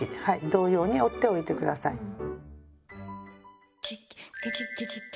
同様に折っておいてください。